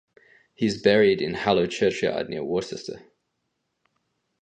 He is buried in Hallow Churchyard near Worcester.